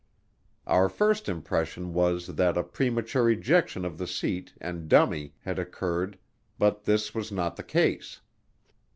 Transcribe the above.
Our first impression was that a premature ejection of the seat and dummy had occurred but this was not the case.